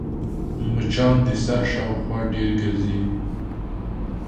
مچان د سر شاوخوا ډېر ګرځي